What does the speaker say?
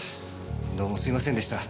どうもすみませんでした。